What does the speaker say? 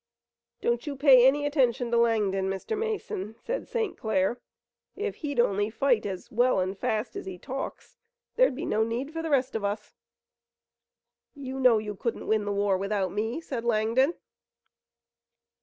"Don't you pay any attention to Langdon, Mr. Mason," said St. Clair. "If he'd only fight as well and fast as he talks there'd be no need for the rest of us." "You know you couldn't win the war without me," said Langdon.